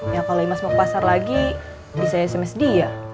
ya kalau imas mau ke pasar lagi bisa sms dia